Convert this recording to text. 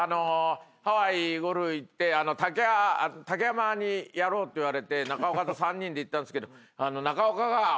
ハワイゴルフ行って竹山にやろうって言われて中岡と３人で行ったんすけど。